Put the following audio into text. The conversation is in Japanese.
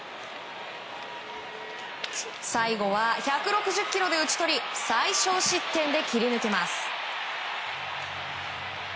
最後は１６０キロで打ち取り最少失点で切り抜けます。